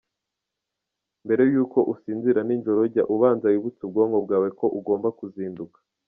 Mbere y’uko usinzira nijoro, jya ubanza wibutse ubwonko bwawe ko ugomba kuzinduka.